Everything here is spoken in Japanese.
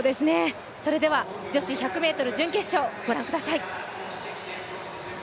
それでは女子１００ｍ準決勝、ご覧ください。